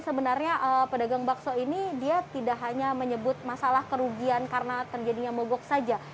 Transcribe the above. sebenarnya pedagang bakso ini dia tidak hanya menyebut masalah kerugian karena terjadinya mogok saja